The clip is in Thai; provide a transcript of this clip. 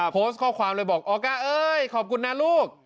โพสต์ข้อความเลยบอกออก้าเอ้ยขอบคุณนะลูก